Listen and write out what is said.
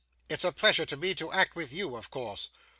It's a pleasure to me to act with you, of course.